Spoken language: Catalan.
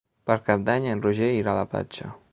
Per Cap d'Any en Roger irà a la platja.